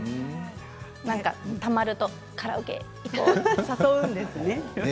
なんかたまると誘うんですね。